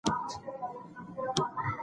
هغه چې له عقل سره په ټکر کې دي.